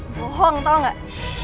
bohong tau gak